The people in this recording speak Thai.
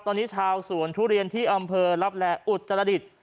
ตอนนี้ชาวสวนทุเรียนที่อำเภอลับแลอุตรดิษฐ์